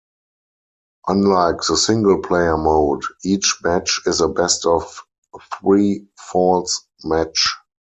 Unlike the single player mode, each match is a best-of-three-falls match.